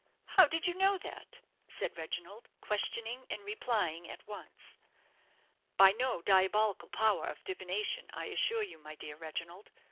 "How did you know that?" said Reginald, questioning and replying at once. "By no diabolical power of divination, I assure you, my dear Reginald.